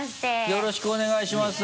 よろしくお願いします。